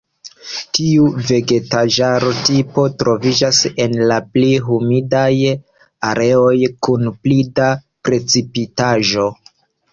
Tiu vegetaĵar-tipo troviĝas en la pli humidaj areoj kun pli da precipitaĵo.